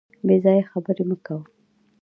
بې ځایه خبري مه کوه .